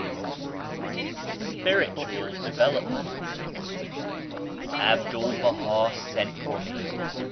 W SPIRITUAL DEVELOPMENT. Abdul Baha sent for me.